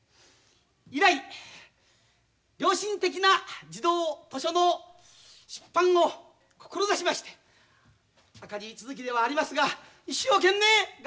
以来良心的な児童図書の出版を志しまして赤字続きではありますが一生懸命頑張ってまいりました。